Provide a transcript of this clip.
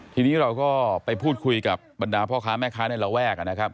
ทีนี้เราก็ไปพูดคุยกับบรรดาพ่อค้าแม่ค้าในระแวกนะครับ